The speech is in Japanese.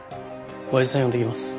おやじさん呼んできます。